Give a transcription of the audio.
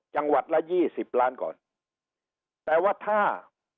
จังหวัดละยี่สิบล้านก่อนแต่ว่าถ้า